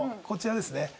こちらですね。